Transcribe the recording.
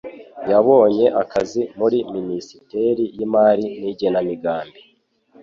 yabonye akazi muri Minisiteri y'Imari n'Igenamigambi.